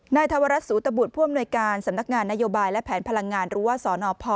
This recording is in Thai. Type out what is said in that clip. นายธวรรษสูตบูรณ์ผู้อำนวยการสำนักงานนโยบายและแผนพลังงานรัวสอนออพอ